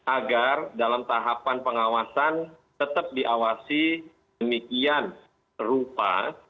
agar dalam tahapan pengawasan tetap diawasi demikian rupa